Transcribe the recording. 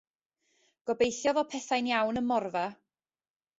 Gobeithio fod pethau'n iawn ym Morfa.